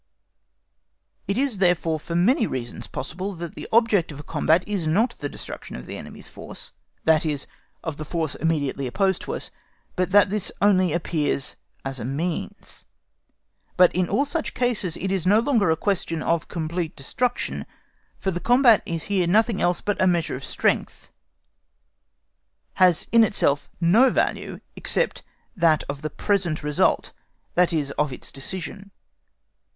It is therefore for many reasons possible that the object of a combat is not the destruction of the enemy's force, that is, of the force immediately opposed to us, but that this only appears as a means. But in all such cases it is no longer a question of complete destruction, for the combat is here nothing else but a measure of strength—has in itself no value except only that of the present result, that is, of its decision.